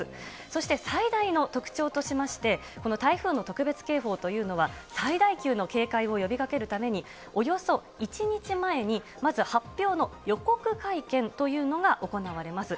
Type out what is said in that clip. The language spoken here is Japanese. そして最大の特徴としまして、この台風の特別警報というのは、最大級の警戒を呼びかけるために、およそ１日前に、まず発表の予告会見というのが行われます。